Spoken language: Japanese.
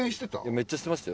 めっちゃしてましたよ。